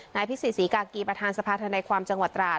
นายพี่ศรีษรีกากรีบอาทารณสภาษณ์ธนายความจังหวัดตราด